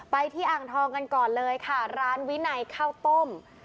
ไปที่อ่างทองกันก่อนเลยค่ะร้านวินัยข้าวต้ม